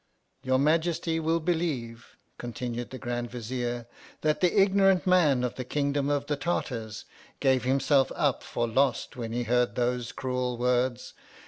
Your Majesty will believe (continued the Grand Vizier) that the ignorant man of the kingdom of the Tartars, gave himself up for lost when he heard those cruel words.